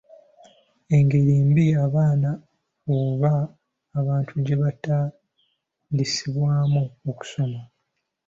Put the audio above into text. Engeri embi abaana oba abantu gye batandisibwamu okusoma.